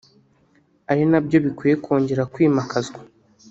ari na byo bikwiye kongera kwimakazwa